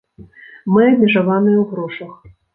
Мы абмежаваныя ў грошах.